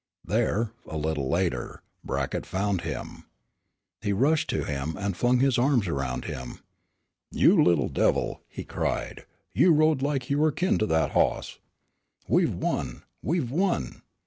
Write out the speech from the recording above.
There, a little later, Brackett found him. He rushed to him, and flung his arms around him. "You little devil," he cried, "you rode like you were kin to that hoss! We've won! We've won!"